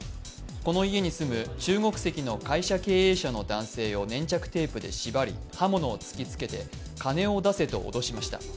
この家に住む中国籍の会社経営者の男性を粘着テープで縛り、刃物を突きつけて金を出せと脅しました。